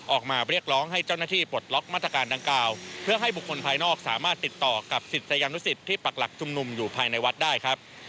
ออกมาเรียกร้องให้เจ้าหน้าที่ปลดล็อกมาตรการดังกล่าวเพื่อให้บุคคลภายนอกสามารถติดต่อกับศิษยานุสิตที่ปักหลักชุมนุมอยู่ภายในวัดได้ครับ